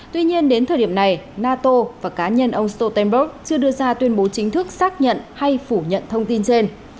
tuy nhiên đến thời điểm này nato và cá nhân ông stoltenberg chưa đưa ra tuyên bố chính thức xác nhận hay phủ nhận thông tin trên